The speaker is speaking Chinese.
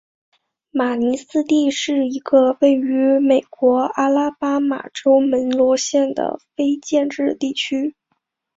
马尼斯蒂是一个位于美国阿拉巴马州门罗县的非建制地区。